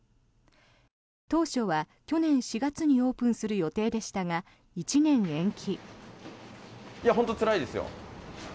当初は去年４月にオープンする予定でしたが１年延期。